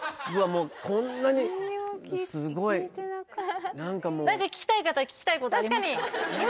もうこんなにすごい何かもう何か聞きたい方聞きたいことありますか？